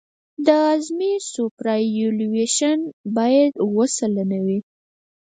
اعظمي سوپرایلیویشن باید اوه سلنه وي